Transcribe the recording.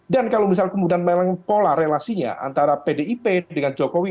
dan kalau misal kemudian melang pola relasinya antara pdip dengan jokowi